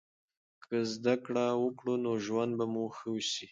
که زده کړه وکړو نو ژوند به مو ښه سي.